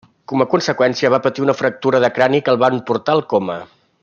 Com a conseqüència va patir una fractura de crani que el van portar al coma.